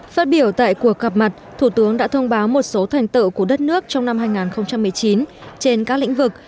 phát biểu tại cuộc gặp mặt thủ tướng đã thông báo một số thành tựu của đất nước trong năm hai nghìn một mươi chín trên các lĩnh vực